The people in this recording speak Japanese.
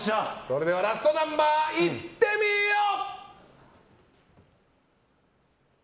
ラストナンバーいってみよう！